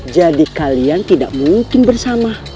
jadi kalian tidak mungkin bersama